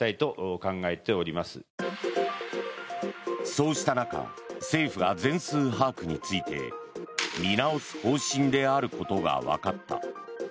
そうした中、政府が全数把握について見直す方針であることがわかった。